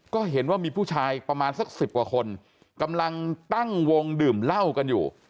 ก็เห็นว่ามีผู้ชายประมาณสัก๑๐กว่าคนกำลังตั้งวงดื่มเหล้ากันอยู่